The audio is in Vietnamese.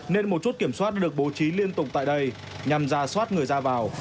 nên một chút kiểm soát được bố trí liên tục tại đây nhằm ra soát người ra vào